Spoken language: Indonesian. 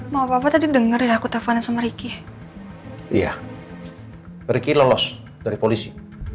mau bapak tadi denger aku telepon sama riki iya riki lolos dari polisi